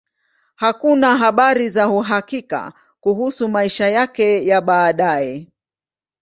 Hakuna habari za uhakika kuhusu maisha yake ya baadaye.